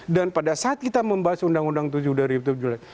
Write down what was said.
dan pada saat kita membahas undang undang tujuh dari tujuh